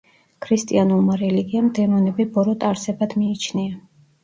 ქრისტიანულმა რელიგიამ დემონები ბოროტ არსებად მიიჩნია.